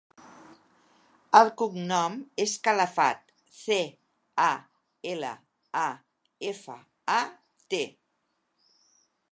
El cognom és Calafat: ce, a, ela, a, efa, a, te.